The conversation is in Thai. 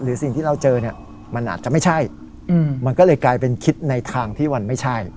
สิ่งที่เราเจอเนี่ยมันอาจจะไม่ใช่มันก็เลยกลายเป็นคิดในทางที่มันไม่ใช่